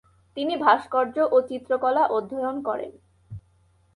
তিনি ভাস্কর্য ও চিত্রকলা অধ্যয়ন করেন।